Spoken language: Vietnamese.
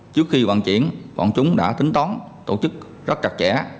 trước khi vận chuyển bọn chúng đã tính toán tổ chức rất chặt chẽ